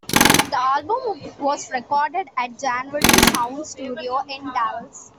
The album was recorded at January Sound Studio in Dallas.